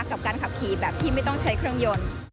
กับการขับขี่แบบที่ไม่ต้องใช้เครื่องยนต์